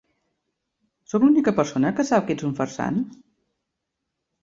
Sóc l'única persona que sap que ets un farsant?